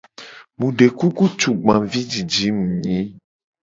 Mu de kuku tugbavijiji mu nyi.